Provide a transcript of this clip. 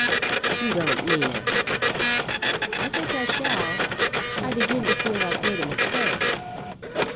"You don't mean it?" "I think I shall. I begin to feel I've made a mistake."